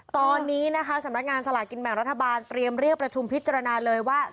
ตอนนี้นะคะสำนักงานสลากินแบ่งรัฐบาลเตรียมเรียกประชุมพิจารณาเลยว่า